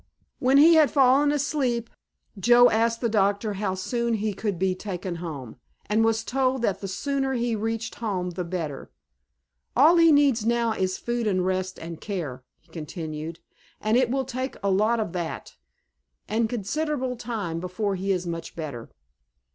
When he had fallen asleep Joe asked the doctor how soon he could be taken home, and was told that the sooner he reached home the better. "All he needs now is food and rest and care," he continued, "and it will take a lot of that, and considerable time before he is much better."